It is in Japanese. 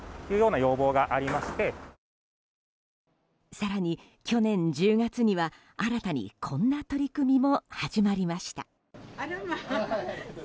更に、去年１０月には新たにこんな取り組みも始まりました。